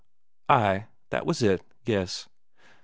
"Ay, that was it yes."